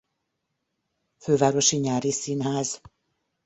Fővárosi Nyári Színház.